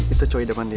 itu cowok di depan dia